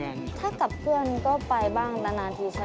ถ้ากลับเคือนก็ไปบ้างหนานานคิดเฉน